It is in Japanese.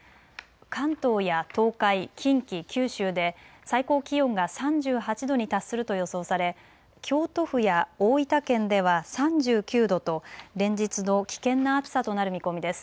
関東や東海、近畿、九州で最高気温が３８度に達すると予想され京都府や大分県では３９度と連日の危険な暑さとなる見込みです。